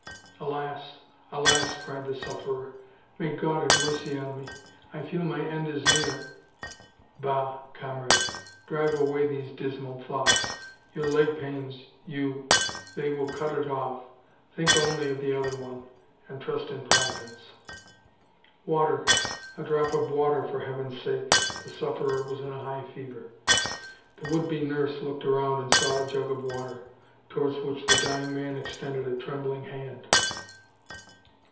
"Alas! alas!" cried the sufferer; "may God have mercy on me! I feel my end is near." "Bah! comrade, drive away these dismal thoughts. Your leg pains you—well they will cut it off! Think only of the other one, and trust in Providence!" "Water, a drop of water, for Heaven's sake!" The sufferer was in a high fever. The would be nurse looked round and saw a jug of water, towards which the dying man extended a trembling hand.